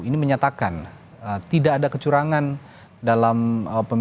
ini menyatakan tidak ada kecurangan dalam pemilu dua ribu dua puluh empat termasuk juga bli presiden